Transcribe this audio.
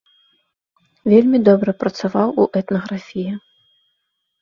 Вельмі добра працаваў у этнаграфіі.